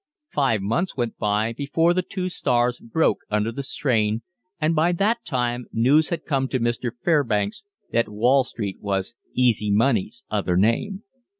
Five months went by before the two stars broke under the strain, and by that time news had come to Mr. Fairbanks that Wall Street was Easy Money's other name.